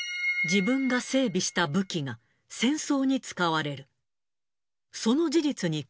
自分が整備した武器が、戦争に使われる。